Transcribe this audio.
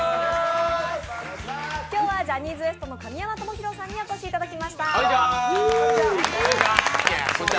今日はジャニーズＷＥＳＴの神山智洋さんにお越しいただきました。